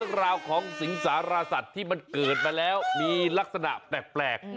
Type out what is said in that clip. เรื่องราวของสิงสารสัตว์ที่มันเกิดมาแล้วมีลักษณะแปลก